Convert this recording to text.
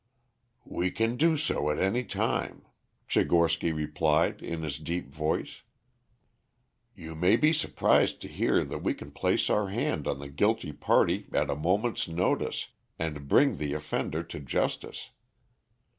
"We can do so at any time," Tchigorsky replied in his deep voice. "You may be surprised to hear that we can place our hand on the guilty party at a moment's notice and bring the offender to justice.